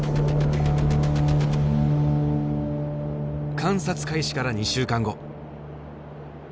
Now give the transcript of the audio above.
観察開始から２週間後。